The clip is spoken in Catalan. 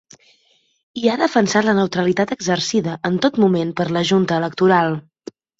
I ha defensat la neutralitat exercida en tot moment per la junta electoral.